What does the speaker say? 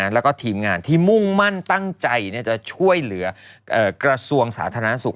แล้วก็ทีมงานที่มุ่งมั่นตั้งใจจะช่วยเหลือกระทรวงสาธารณสุข